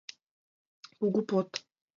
Кугу под